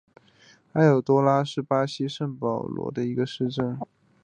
埃尔多拉多是巴西圣保罗州的一个市镇。